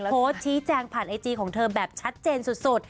โพสต์ชี้แจงผ่านไอจีของเธอแบบชัดเจนสุด